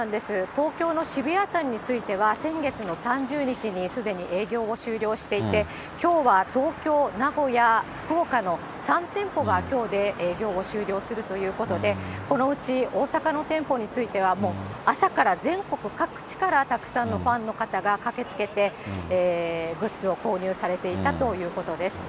東京の渋谷店については、先月の３０日にすでに営業を終了していて、きょうは東京、名古屋、福岡の３店舗が、きょうで営業を終了するということで、このうち大阪の店舗については、もう朝から全国各地からたくさんのファンの方が駆けつけて、グッズを購入されていたということです。